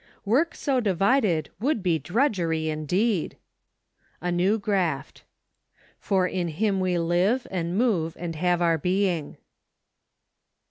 Work so divided would be drudgery indeed. A New Graft. " For in him we live , and move , and have our i being